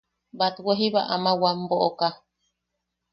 Batwe jiba ama wam boʼoka.